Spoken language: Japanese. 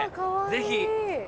ぜひ。